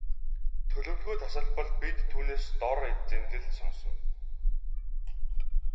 Төлөвлөгөө тасалбал бид түүнээс дор зэмлэл сонсоно.